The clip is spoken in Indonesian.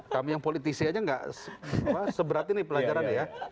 kami yang politisi aja nggak seberat ini pelajarannya ya